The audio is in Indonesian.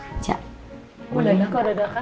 udah ya kok ada ada kan ah